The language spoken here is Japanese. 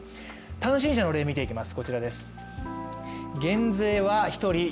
単身者の例を見ていきます。